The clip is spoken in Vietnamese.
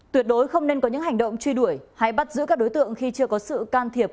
tuyệt đối không nên có những hành động truy đuổi hay bắt giữ các đối tượng khi chưa có sự can thiệp